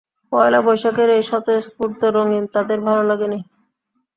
পয়লা বৈশাখের এই স্বতঃস্ফূর্ত রঙিন তাদের ভালো লাগেনি।